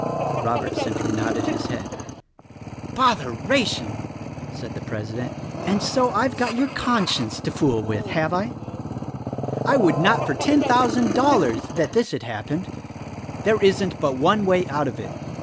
Robert simply nodded his head. "Botheration!" said the president, "and so I've got your conscience to fool with, have I? I would not for THE RECORDING ANGEL 97 ten thousand dollars that this had happened. There isn't but one way out of it.